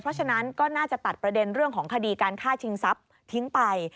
เพราะฉะนั้นก็น่าจะตัดประเด็นเรื่องของคดีการฆ่าชิงทรัพย์ทิ้งไป